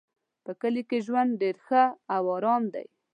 په کلي کې ژوند ډېر ښه او آرام ده